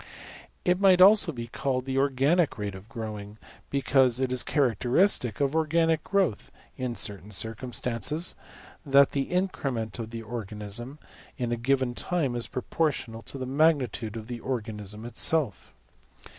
It might also be called the \emph{organic rate} of growing: because it is characteristic of organic growth (in certain circumstances) that the increment of the organism in a given time is proportional to the magnitude of the organism itself.